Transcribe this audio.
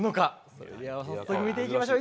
それでは早速見ていきましょう